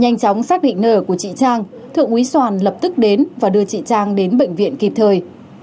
nhanh chóng xác định nơi ở của chị trang thượng úy soàn lập tức đến và đưa chị trang đến bệnh viện kịp thời